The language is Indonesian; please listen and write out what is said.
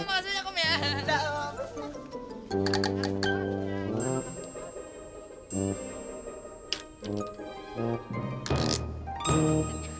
makasih banyak om ya